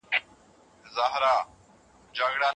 د کندهار صنعت کي رقابت څنګه دی؟